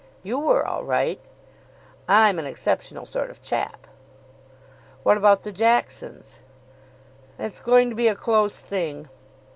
"You were all right." "I'm an exceptional sort of chap." "What about the Jacksons?" "It's going to be a close thing.